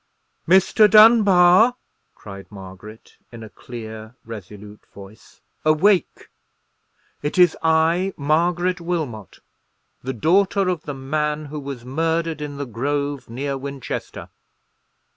"Mr. Dunbar!" cried Margaret, in a clear, resolute voice; "awake! it is I, Margaret Wilmot, the daughter of the man who was murdered in the grove near Winchester!"